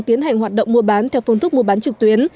tiến hành hoạt động mua bán theo phương thức mua bán trực tuyến